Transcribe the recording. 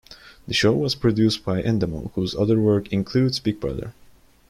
The show was produced by Endemol whose other work includes Big Brother.